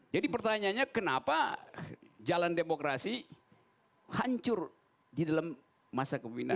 jadi pertanyaannya kenapa jalan demokrasi hancur di dalam masa kepimpinan